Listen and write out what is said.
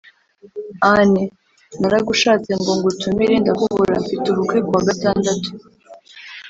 anne : naragushatse ngo ngutumire ndakubura. mfite ubukwe kuwa gatandatu.